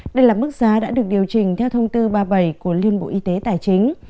đây là mức giá đã được điều chỉnh theo thông tư ba mươi bảy của liên bộ y tế tài chính